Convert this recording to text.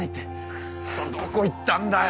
クッソどこ行ったんだよ。